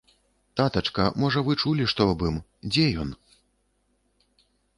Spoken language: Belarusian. Татачка, можа, вы чулі што аб ім, дзе ён?